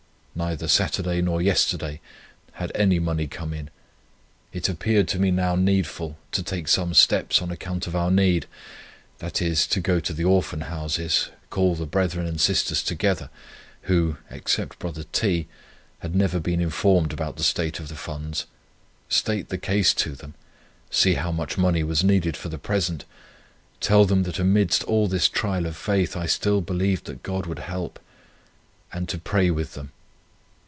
Neither Saturday nor yesterday had any money come in. It appeared to me now needful to take some steps on account of our need, i. e., to go to the Orphan Houses, call the brethren and sisters together, (who, except brother T , had never been informed about the state of the funds), state the case to them, see how much money was needed for the present, tell them that amidst all this trial of faith I still believed that God would help, and to pray with them.